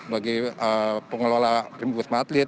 bagi pengelola wisma atlet